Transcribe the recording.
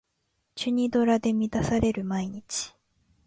チュニドラで満たされる毎日